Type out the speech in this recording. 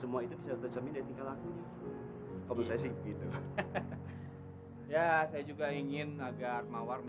bapak gak perlu minta maaf